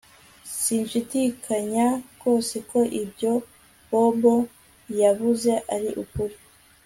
Sinshidikanya rwose ko ibyo Bobo yavuze ari ukuri